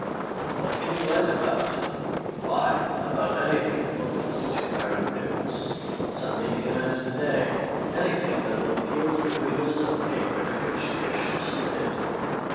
What can you write about? Why about anything that will constitute current news, some leading event of the day, anything that will appeal to the readers of the paper to which you wish to submit it.